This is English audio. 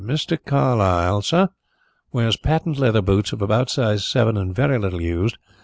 "Mr. Carlyle, sir, wears patent leather boots of about size seven and very little used.